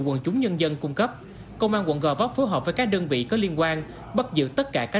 các nhân dân cung cấp công an quận gò vóc phù hợp với các đơn vị có liên quan bắt giữ tất cả các